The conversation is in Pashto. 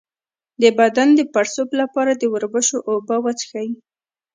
د بدن د پړسوب لپاره د وربشو اوبه وڅښئ